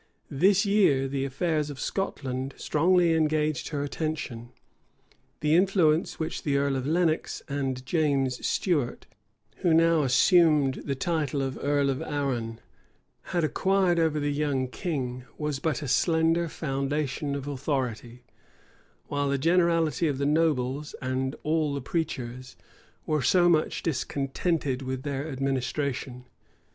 This year the affairs of Scotland strongly engaged her attention. The influence which the earl of Lenox, and James Stuart, who now assumed the title of earl of Arran, had acquired over the young king, was but a slender foundation of authority; while the generality of the nobles, and all the preachers, were so much discontented with their administration.